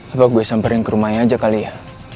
apa gue samperin ke rumahnya aja kali ya